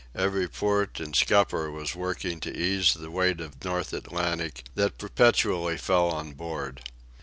Every port and scupper was working to ease the weight of North Atlantic that perpetually fell on board.